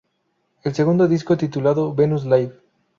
El segundo disco titulado "Venus live.